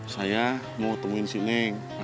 saya mau temuin si neng